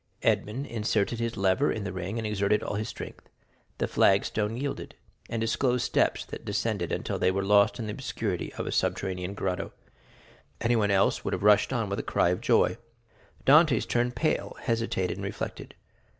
Edmond inserted his lever in the ring and exerted all his strength; the flag stone yielded, and disclosed steps that descended until they were lost in the obscurity of a subterraneous grotto. Anyone else would have rushed on with a cry of joy. Dantès turned pale, hesitated, and reflected.